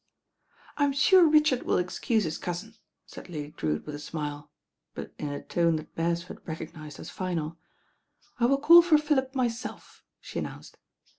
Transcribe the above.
"I'm sure Richard will excuse his cousin," said Lady Drewitt with a smile; but in a tone that Beres ford recognised as final. "I wUl call for Philip myself," she announced.